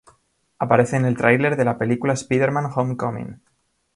Aparece en el trailer de la película Spiderman Homecoming.